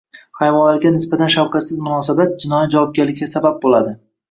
Hayvonlarga nisbatan shafqatsiz munosabat – jinoiy javobgarlikka sabab bo‘ladi ng